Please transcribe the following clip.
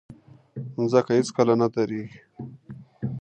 مځکه هیڅکله نه دریږي.